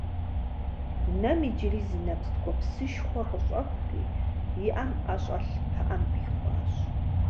Нэм иджыри зы нэпс ткӀуэпсышхуэ къыщӀэхури, и Іэм ІэщӀэлъ пыӀэм къихуащ